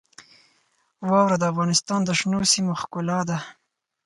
واوره د افغانستان د شنو سیمو ښکلا ده.